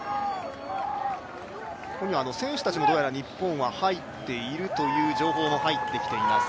選手たちも日本はどうやら入っているという情報も入ってきています。